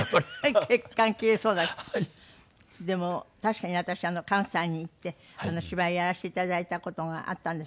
でも確かに私関西に行って芝居をやらせていただいた事があったんですよ。